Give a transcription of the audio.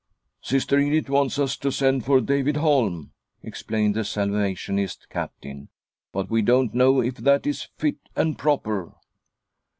" Sister Edith wants us to send for David Holm," explained the Salvationist Captain, " but we don't know if that is fit and proper."